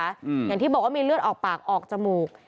อย่างที่บอกว่ามีเลือดออกปากออกจมูก